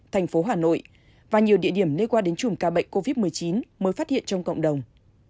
thành phố hà nội và nhiều địa điểm liên quan đến chùm ca bệnh covid một mươi chín mới phát hiện trong cộng đồng